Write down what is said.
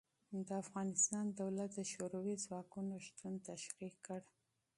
د افغانستان دولت د شوروي ځواکونو شتون تشرېح کړ.